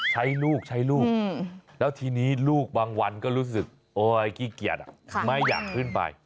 ใช้ลูกใช้ลูกแล้วทีนี้ลูกบางวันก็รู้สึกโอ๊ยขี้เกียจไม่อยากขึ้นไป